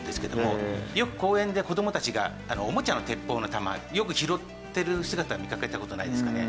よく公園で子どもたちがおもちゃの鉄砲の弾拾ってる姿見かけた事ないですかね？